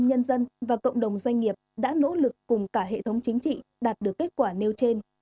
nhân dân và cộng đồng doanh nghiệp đã nỗ lực cùng cả hệ thống chính trị đạt được kết quả nêu trên